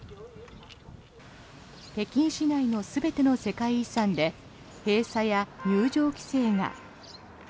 北京市内の全ての世界遺産で閉鎖や入場規制が。